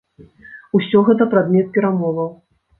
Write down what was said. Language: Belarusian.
Усё гэта прадмет перамоваў.